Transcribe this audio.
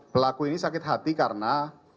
pelaku ini sakit hati karena